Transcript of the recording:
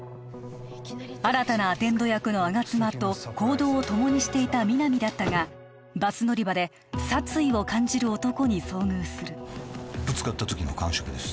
新たなアテンド役の吾妻と行動を共にしていた皆実だったがバス乗り場で殺意を感じる男に遭遇するぶつかった時の感触です